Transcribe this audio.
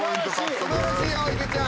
素晴らしいよ池ちゃん。